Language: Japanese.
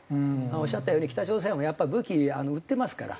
おっしゃったように北朝鮮はやっぱ武器売ってますから。